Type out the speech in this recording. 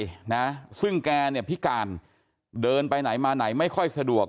เป็นลุงของผู้ตายซึ่งแกพิการเดินไปไหนมาไหนไม่ค่อยสะดวก